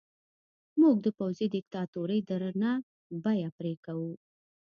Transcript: موږ د پوځي دیکتاتورۍ درنه بیه پرې کوو.